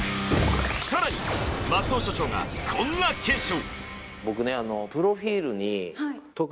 さらに松尾所長がこんな検証